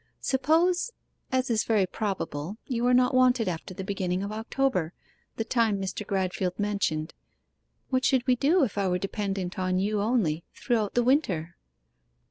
'Suppose, as is very probable, you are not wanted after the beginning of October the time Mr. Gradfield mentioned what should we do if I were dependent on you only throughout the winter?